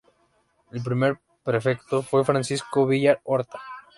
El primer prefecto fue Francisco Villar Horta.